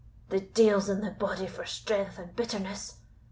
"The deil's in the body for strength and bitterness!"